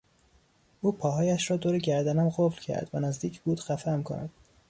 او پاهایش را دور گردنم قفل کرد و نزدیک بود خفهام کند.